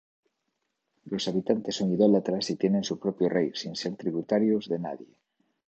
Los habitantes son idólatras y tienen su propio rey, sin ser tributarios de nadie.